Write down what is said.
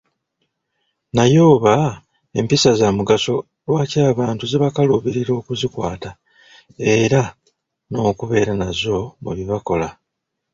Naye obanga empisa za mugaso lwaki abantu zibakaluubirira okuzikwata era n'okubeera nazo mu bye bakola.